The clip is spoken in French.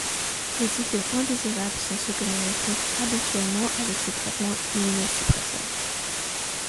Les effets indésirables sont ceux que l'on rencontre habituellement avec ces traitements immunosuppresseurs.